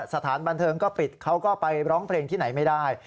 สถานบันเทิงก็ปิดเขาก็ไปร้องเพลงที่ไหนไม่ได้